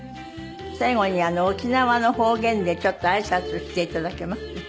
最後に沖縄の方言でちょっと挨拶して頂けます？